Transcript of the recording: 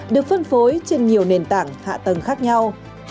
được phân phối trên nhiều nền tảng hạ tầng khác nhau